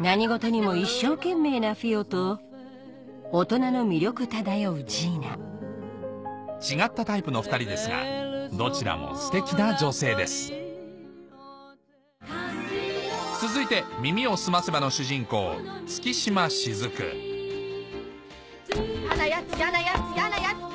何事にも一生懸命なフィオと大人の魅力漂うジーナ違ったタイプの２人ですがどちらもステキな女性です続いてやな奴やな奴やな奴。